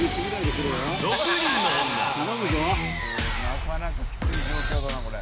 「なかなかきつい状況だなこれ」